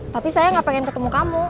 tapi saya gak pengen ketemu kamu